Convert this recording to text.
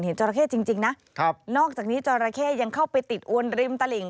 เห็นจรเข้จริงนะนอกจากนี้จรเข้ยังเข้าไปติดอวนริมตะหลิ่ง